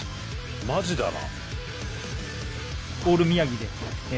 マジだな！